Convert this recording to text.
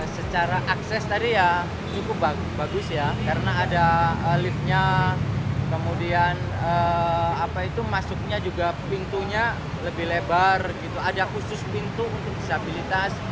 secara akses tadi ya cukup bagus ya karena ada liftnya kemudian apa itu masuknya juga pintunya lebih lebar gitu ada khusus pintu untuk disabilitas